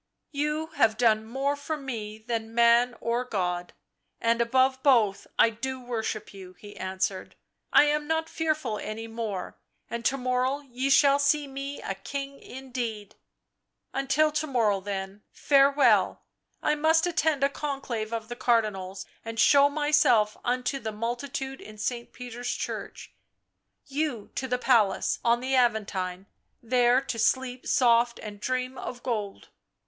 " You have done more for me than man or God, and above both I do you worship," he answered. " I am not fearful any more, and to morrow ye shall see me a king indeed." " Until to morrow then, farewell. I must attend a Conclave' of the Cardinals and show myself unto the multitude in St. Peter's church. You to the palace, on the Aventine, there to sleep soft and dream of gold."